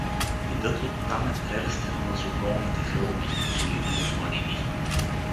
Видът оттам е прелестен въз околните хълми, долини и планини.